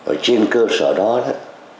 ở trên cơ sở đó đó